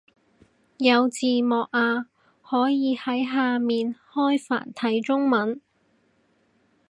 有字幕啊，可以喺下面開繁體中文